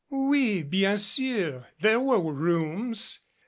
Oui, bien sur, there were rooms".